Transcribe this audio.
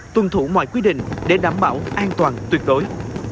tuân thủ mọi quy định để đảm bảo an toàn tuyệt đối